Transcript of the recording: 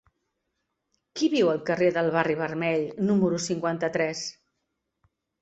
Qui viu al carrer del Barri Vermell número cinquanta-tres?